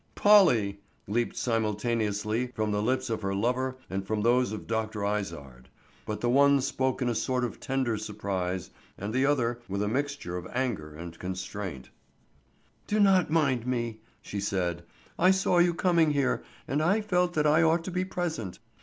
"Polly!" leaped simultaneously from the lips of her lover and from those of Dr. Izard. But the one spoke in a sort of tender surprise and the other with a mixture of anger and constraint. "Do not mind me," she said. "I saw you coming here, and I felt that I ought to be present."